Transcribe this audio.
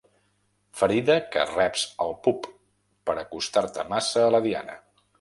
Ferida que reps al pub, per acostar-te massa a la Diana.